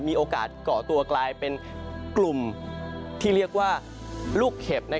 มีโอกาสก่อตัวกลายเป็นกลุ่มที่เรียกว่าลูกเห็บ